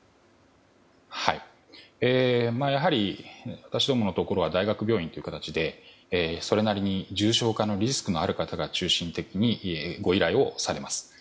やはり、私どものところは大学病院という形でそれなりに重症化のリスクのある方が中心的にご依頼をされます。